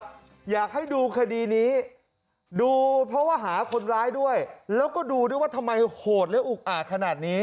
อยากให้ดูคดีนี้ดูเพราะว่าหาคนร้ายด้วยแล้วก็ดูด้วยว่าทำไมโหดและอุกอาจขนาดนี้